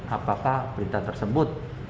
apakah berita tersebut